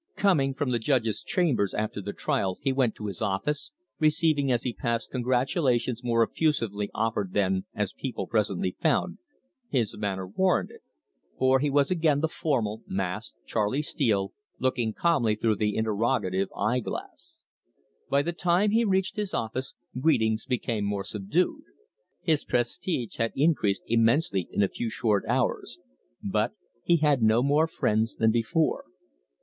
Coming from the judge's chambers after the trial he went to his office, receiving as he passed congratulations more effusively offered than, as people presently found, his manner warranted. For he was again the formal, masked Charley Steele, looking calmly through the interrogative eye glass. By the time he reached his office, greetings became more subdued. His prestige had increased immensely in a few short hours, but he had no more friends than before.